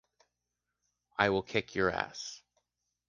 I will kick your ass.